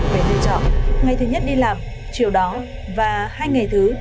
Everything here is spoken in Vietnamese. về nơi trọng ngày thứ nhất đi làm chiều đó và hai ngày thứ